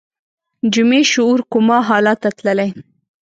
جمعي شعور کوما حالت ته تللی